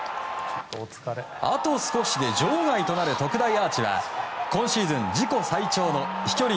あと少しで場外となる特大アーチは今シーズン自己最長の飛距離